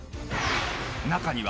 ［中には］